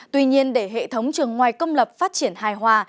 tuy nhiên để hệ thống trường ngoài công lập phát triển hài hòa